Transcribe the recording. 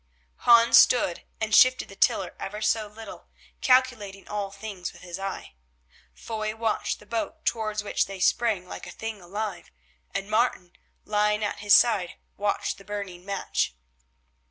Hans stood and shifted the tiller ever so little, calculating all things with his eye. Foy watched the boat towards which they sprang like a thing alive, and Martin, lying at his side, watched the burning match.